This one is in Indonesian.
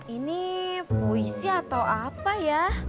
ini puisi atau apa ya